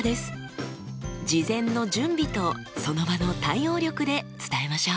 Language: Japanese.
事前の準備とその場の対応力で伝えましょう。